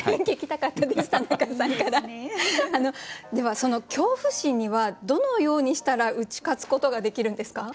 その恐怖心にはどのようにしたら打ち勝つことができるんですか？